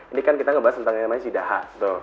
ini kan kita ngebahas tentang si daha